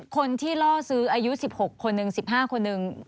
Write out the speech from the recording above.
คนที่ล่อซื้ออายุ๑๖คนหนึ่ง๑๕คนหนึ่ง